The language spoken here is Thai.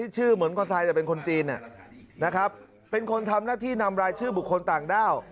จะเป็นคนจีนนะครับเป็นคนทำหน้าที่นำรายชื่อบุคคลต่างด้าว